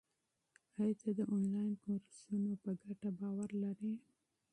آیا ته د انلاین کورسونو په ګټه باور لرې؟